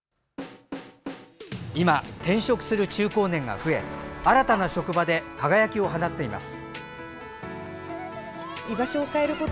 今、転職する中高年が増え新たな職場で輝きを放っています。